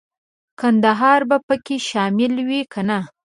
کندهار به پکې شامل وي کنه.